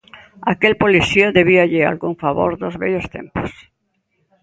Aquel policía debíalle algún favor dos vellos tempos.